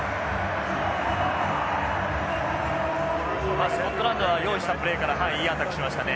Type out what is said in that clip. まあスコットランドは用意したプレーからいいアタックしましたね。